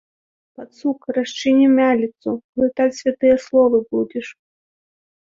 Пацук, расчыні мяліцу, глытаць святыя словы будзеш.